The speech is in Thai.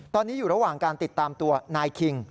ตอนนี้อยู่ระหว่างการติดตามตัวนายคิง